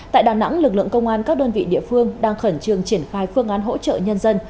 tại đà nẵng lực lượng công an các đơn vị địa phương đang khẩn trương triển khai phương án hỗ trợ nhân dân